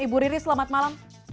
ibu riri selamat malam